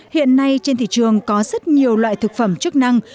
hiện nay trên thị trường có rất nhiều loại thực phẩm chức năng